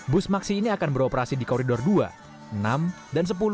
bus maksi ini akan beroperasi di koridor dua enam dan sepuluh